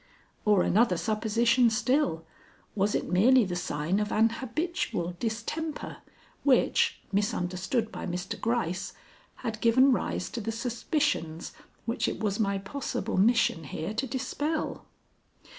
Or another supposition still, was it merely the sign of an habitual distemper which, misunderstood by Mr. Gryce, had given rise to the suspicions which it was my possible mission here to dispel?